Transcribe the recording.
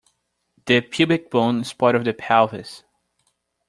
The pubic bone is part of the pelvis.